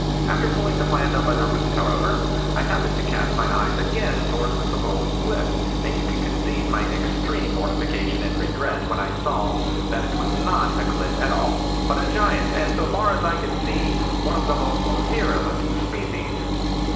After pulling the plant up by the roots, however, I happened to cast my eyes again toward the supposed cliff, and you can conceive my extreme mortification and regret when I saw that it was not a cliff at all, but a giant, and, so far as I could see, one of the most virulent species.